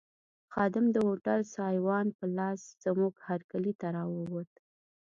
خادم د هوټل سایوان په لاس زموږ هرکلي ته راووت.